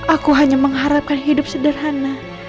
aku hanya mengharapkan hidup sederhana